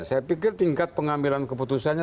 saya pikir tingkat pengambilan keputusannya